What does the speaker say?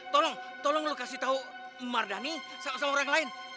tolong tolong lo kasih tau mardhani sama orang lain